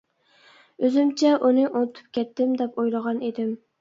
ئۆزۈمچە ئۇنى ئۇنتۇپ كەتتىم دەپ ئويلىغان ئىدىم.